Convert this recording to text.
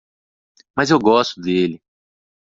Mas eu gosto dele.